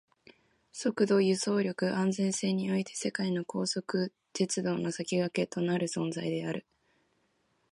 速度、輸送力、安全性において世界の高速鉄道の先駆けとなる存在である